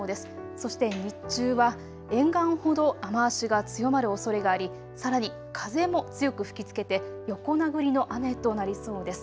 そして日中は沿岸ほど雨足が強まるおそれがありさらに風も強く吹きつけて横殴りの雨となりそうです。